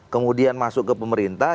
kemudian masuk ke pemerintah